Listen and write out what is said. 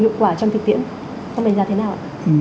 hiệu quả trong thực tiễn ông đánh giá thế nào ạ